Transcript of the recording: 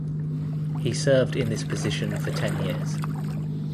He served in this position for ten years.